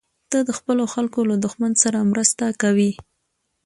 ته د خپلو خلکو له دښمن سره مرسته کوې.